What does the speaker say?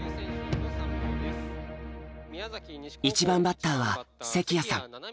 １番バッターは関谷さん。